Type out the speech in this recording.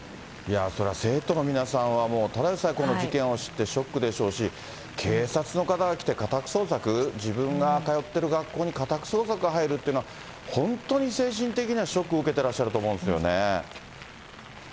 そりゃ、生徒の皆さんはただでさえこの事件を知ってショックでしょうし、警察の方が来て家宅捜索、自分が通ってる学校に家宅捜索が入るっていうのは、本当に精神的なショックを受けてらっしゃると思うんですよね。